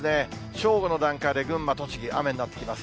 正午の段階で群馬、栃木、雨になってきます。